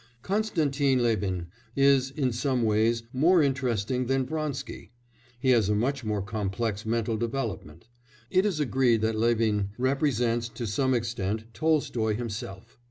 Konstantin Levin, is, in some ways, more interesting than Vronsky; he has a much more complex mental development. It is agreed that Levin represents, to some extent, Tolstoy himself.